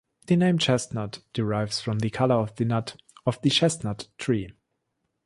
The name "chestnut" derives from the color of the nut of the chestnut tree.